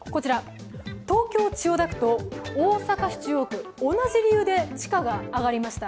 東京・千代田区と大阪市中央区、同じ理由で地価が上がりました。